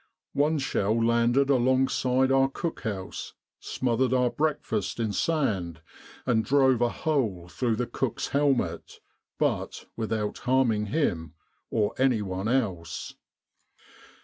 One shell landed alongside our cook house, smothered our breakfast in sand, and drove a hole through the cook's helmet, but without harming him or anyone else.